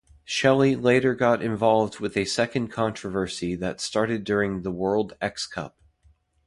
Shelley later got involved with a second controversy that started during the World X-Cup.